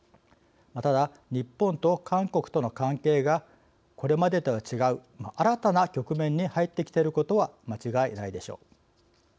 ただ、日本と韓国との関係がこれまでとは違う新たな局面に入ってきていることは間違いないでしょう。